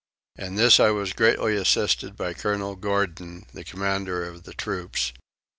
In this I was greatly assisted by colonel Gordon, the commander of the troops.